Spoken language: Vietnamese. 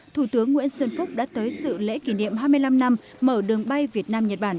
thủ tướng nguyễn xuân phúc đã tới sự lễ kỷ niệm hai mươi năm năm mở đường bay việt nam nhật bản